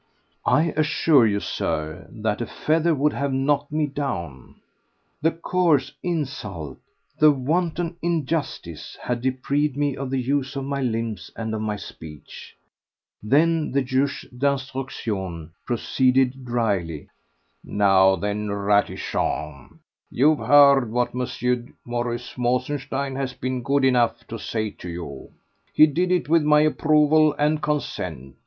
I assure you, Sir, that a feather would have knocked me down. The coarse insult, the wanton injustice, had deprived me of the use of my limbs and of my speech. Then the juge d'instruction proceeded dryly: "Now then, Ratichon, you have heard what M. Mauruss Mosenstein has been good enough to say to you. He did it with my approval and consent.